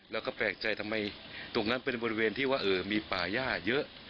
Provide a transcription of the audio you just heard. แล้วก็แปลกใจทำไมตรงนั้นเป็นบริเวณที่ว่ามีป่าย่าเยอะ